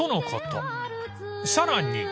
［さらに］